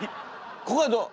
ここはどう？